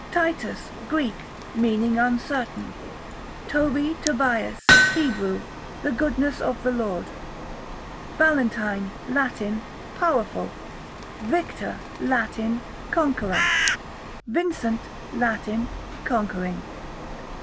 Titus, Greek, meaning uncertain. Toby / Tobias, Hebrew, the goodness of the Lord. Valentine, Latin, powerful. Victor, Latin, conqueror. Vincent, Latin, conquering.